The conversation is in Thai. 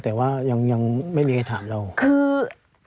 แต่ว่ายังไม่มีใครถามเราคือ